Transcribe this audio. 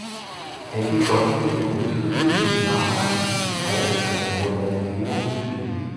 Eddie Gottlieb begrüßte sie und nahm aktiv teil an der Modernisierung des Spiels.